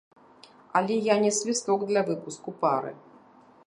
Але я не свісток для выпуску пары.